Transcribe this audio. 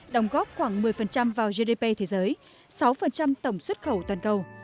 đồng góp khoảng một mươi vào gdp thế giới sáu tổng xuất khẩu toàn cầu